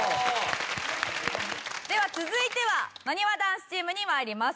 では続いてはなにわ男子チームに参ります。